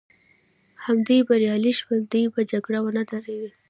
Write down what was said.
همدوی بریالي شول، دوی به جګړه ونه دروي.